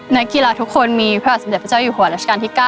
นักกีฬาทุกคนมีพระบาทสมเด็จพระเจ้าอยู่หัวรัชกาลที่๙